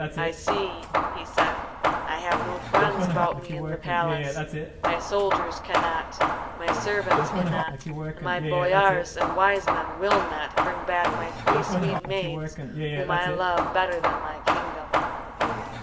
"I see," he said, "I have no friends about me in the palace. My soldiers cannot, my servants cannot, and my boyars and wise men will not, bring back my three sweet maids, whom I love better than my kingdom."